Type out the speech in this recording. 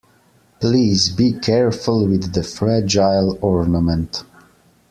Please be careful with the fragile ornament.